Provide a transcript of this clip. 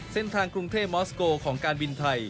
เส้นทางกรุงเทพมอสโกของการบินไทย